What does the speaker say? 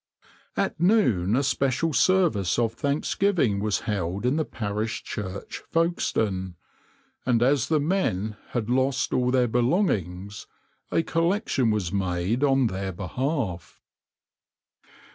"\par At noon a special service of thanksgiving was held in the parish church, Folkestone, and as the men bad lost all their belongings, a collection was made on their behalf.